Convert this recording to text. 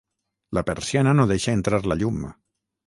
La persiana no deixa entrar la llum